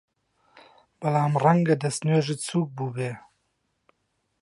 بەڵام ڕەنگە دەستنوێژت سووک بووبێ!